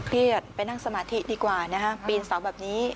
เครียดไปนั่งสมาธิดีกว่านะปีนเสาร์แบบนี้